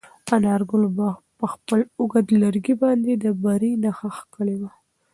انارګل په خپل اوږد لرګي باندې د بري نښه کښلې وه.